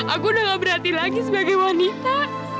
aku udah gak berhati lagi sebagai wanita